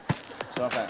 すいません